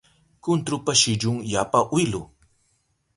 Kuntrupa shillun yapa wilu